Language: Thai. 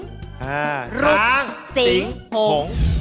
ชางสิงหง